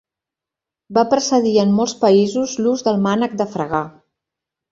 Va precedir en molts països l'ús del mànec de fregar.